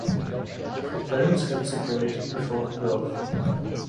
Her parents had separated before her birth.